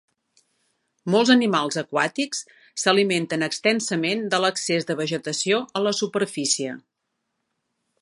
Molts animals aquàtics s'alimenten extensament de l'excés de vegetació a la superfície.